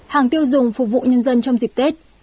hàng tiêu dùng phục vụ nhân dân trong dịp tết